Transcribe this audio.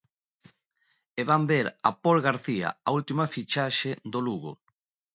E van ver a Pol García, a última fichaxe do Lugo.